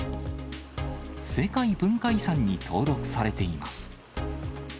世界文化遺産に登録されています。